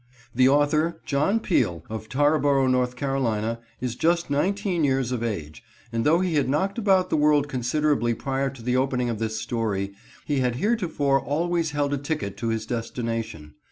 The author, John Peele, of Tarboro, N. C., is just nineteen years of age, and though he had knocked about the world considerably prior to the opening of this story, he had heretofore always held a ticket to his destination.